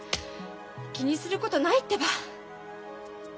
気にすることないってば。